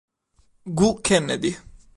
Goo Kennedy